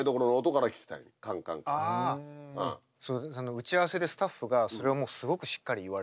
打ち合わせでスタッフがそれをもうすごくしっかり言われたと。